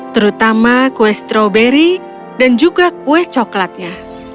terutama kue stroberi dan juga kue coklatnya